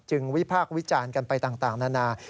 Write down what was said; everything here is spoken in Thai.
วิพากษ์วิจารณ์กันไปต่างนานา